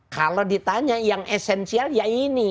kalau ditanya yang esensial ya ini